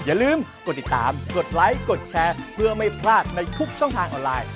อย่าลืมกดติดตามกดไลค์กดแชร์เพื่อไม่พลาดในทุกช่องทางออนไลน์